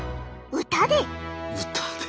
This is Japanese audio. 歌で。